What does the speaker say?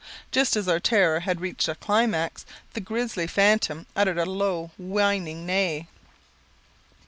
Just as our terror had reached a climax, the grizzly phantom uttered a low, whining neigh.